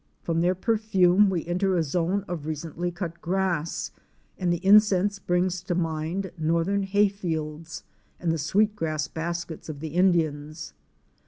From their perfume we enter a zone of recently cut grass — and the incense brings to mind northern hay fields and the sweet grass baskets of the Indians.